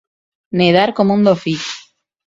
Nedar com un dofí.